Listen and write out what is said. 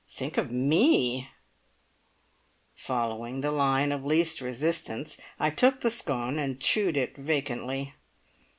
Think of me!" Following the line of the least resistance, I took the scone and chewed it vacantly.